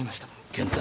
健太。